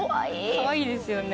かわいいですよね。